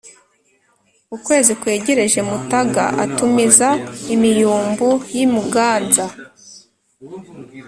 ukwezi kwegereje mutaga atumiza imiyumbu y'i muganza